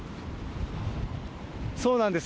そうなんです。